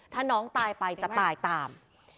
ถ้าน้องตายไปจะตายตาม